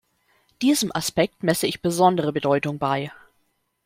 Diesem Aspekt messe ich besondere Bedeutung bei.